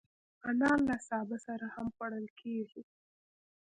انار له سابه سره هم خوړل کېږي.